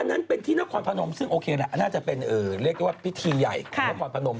อันนั้นจะได้เคลียร์นักความพนม